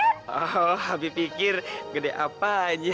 oh abi pikir gede apa aja